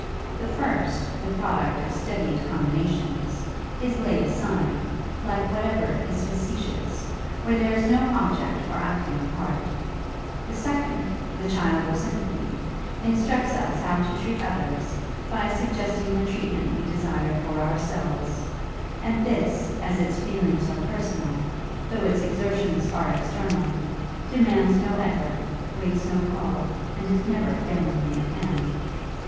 The first, the product of studied combinations, is laid aside, like whatever is factitious, where there is no object for acting a part: the second, the child of sympathy, instructs us how to treat others, by suggesting the treatment we desire for ourselves; and this, as its feelings are personal, though its exertions are external, demands no effort, waits no call, and is never failingly at hand.